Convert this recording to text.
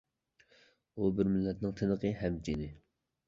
ئۇ بىر مىللەتنىڭ تىنىقى ھەم جىنى.